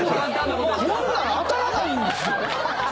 ほんなら当たらないんですよ。